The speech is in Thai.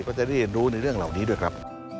ก็จะได้เรียนรู้ในเรื่องเหล่านี้ด้วยครับ